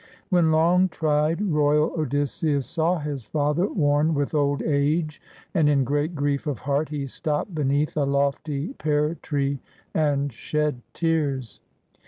When long tried royal Odysseus saw his father, worn with old age and in great grief of heart, he stopped be neath a lofty pear tree and shed tears.